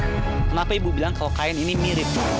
kenapa ibu bilang kalau kain ini mirip